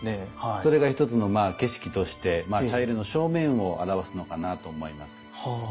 それが一つのまあ景色として茶入の正面を表すのかなと思います。